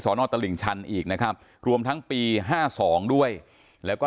นตลิ่งชันอีกนะครับรวมทั้งปีห้าสองด้วยแล้วก็